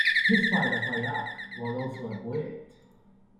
His father, Fayaq, was also a poet.